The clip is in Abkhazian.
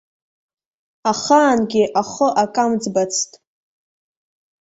Ахаангьы ахы акы амӡбацт.